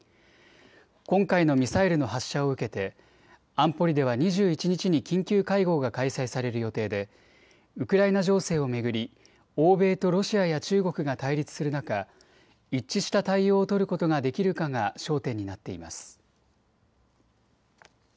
今回のミサイルの発射を受けて安保理では２１日に緊急会合が開催される予定でウクライナ情勢を巡り欧米とロシアや中国が対立する中、一致した対応を取ることができるかが焦点になっています。